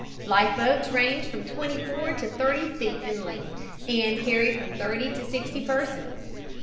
Life boats range from twenty four to thirty feet in length and carry from thirty to sixty persons.